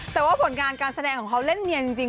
แต่ว่าผลงานการแสดงของเขาเล่นเนียนจริง